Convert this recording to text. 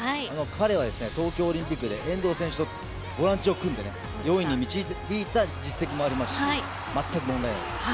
彼は東京オリンピックで遠藤選手とボランチを組んで４位に導いた実績もありますしまったく問題ないです。